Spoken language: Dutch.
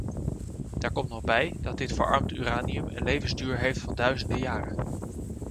Daar komt nog bij dat dit verarmd uranium een levensduur heeft van duizenden jaren.